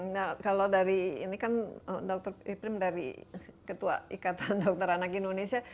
nah kalau dari ini kan dr iprim dari ketua ikatan dokter anak indonesia